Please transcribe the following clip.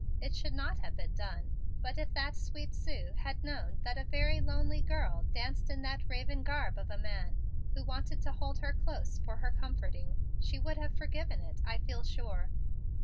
It should not have been done, but if that sweet Sue had known that a very lonely girl danced in that raven garb of a man, who wanted to hold her close for her comforting, she would have forgiven it, I feel sure.